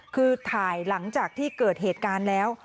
คือถ่ายหลังจากที่เกิดเหตุการณ์แล้ว